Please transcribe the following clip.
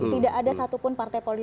tidak ada satupun partai politik